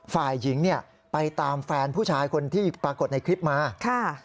ฝ่ายหญิงเนี่ยไปตามแฟนผู้ชายคนที่ปรากฏในคลิปมาค่ะ